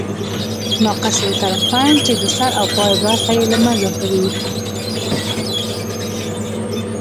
ناقص الطرفین، چي د سر او پای برخي ئې له منځه تللي يي.